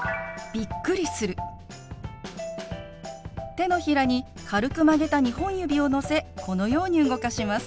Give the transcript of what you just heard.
手のひらに軽く曲げた２本指をのせこのように動かします。